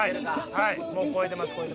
もう超えてます。